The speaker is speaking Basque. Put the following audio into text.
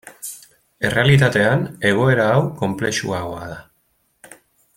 Errealitatean, egoera hau konplexuagoa da.